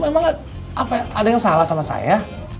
memang ada yang salah sama saya